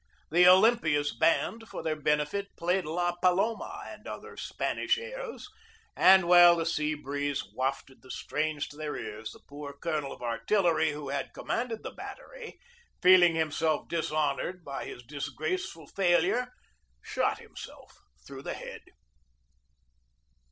The Olympiads band, for their benefit, played "La Paloma" and other Spanish airs, and while the sea breeze wafted the strains to their ears the poor colonel of artillery who had commanded the battery, feeling himself dishonored by his disgrace ful failure, shot himself through the head.